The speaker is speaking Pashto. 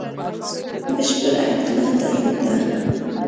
بشپړه اطلاع درلوده.